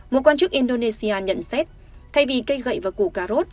một quan chức indonesia nhận xét thay vì cây gậy và củ cà rốt